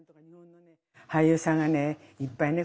俳優さんがねいっぱいね